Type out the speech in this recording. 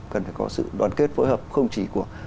cần phải có sự đoàn kết phối hợp không chỉ của